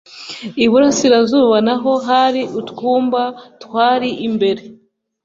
Iburasirazuba na ho hari utwumba twari imbere